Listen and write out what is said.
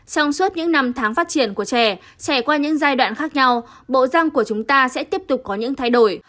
trong suốt những năm tháng phát triển của trẻ trải qua những giai đoạn khác nhau bộ răng của chúng ta sẽ tiếp tục có những thay đổi